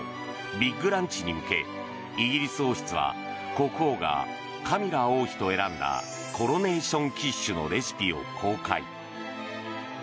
ビッグランチに向けイギリス王室は国王がカミラ王妃と選んだコロネーション・キッシュのレシピを公開。